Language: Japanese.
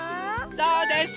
そうです。